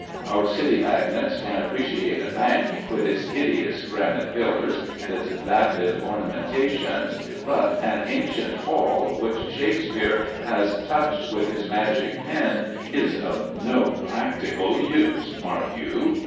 Our city magnates can appreciate a bank, with its hideous granite pillars and its vapid ornamentations, but an ancient hall which Shakespeare has touched with his magic pen is of no "practical" use, mark you!